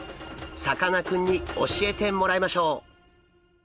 さかなクンに教えてもらいましょう！